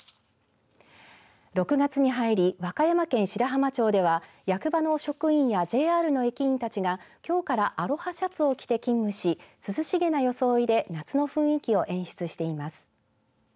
６月に入り和歌山県白浜町では役場の職員やＪＲの駅員たちがきょうからアロハシャツを着て勤務し涼しげな装いで夏の雰囲気を演出しています。